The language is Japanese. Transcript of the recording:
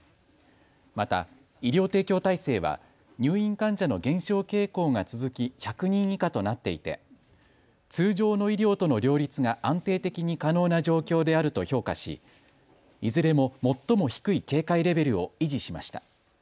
また、医療提供体制は入院患者の減少傾向が続き１００人以下となっていて通常の医療との両立が安定的に可能な状況であると評価し、いずれも最も低い警戒レベルを維持しました。